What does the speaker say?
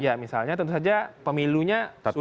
ya misalnya tentu saja pemilunya sulit juga